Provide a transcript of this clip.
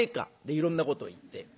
いろんなこと言って。